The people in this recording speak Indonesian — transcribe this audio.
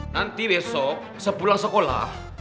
nanti besok sepulang sekolah